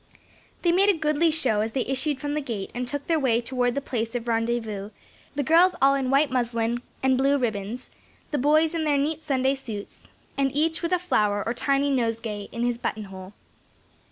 They made a goodly show as they issued from the gate and took their way toward the place of rendezvous; the girls all in white muslin and blue ribbons, the boys in their neat Sunday suits, and each with a flower or tiny nosegay in his button hole.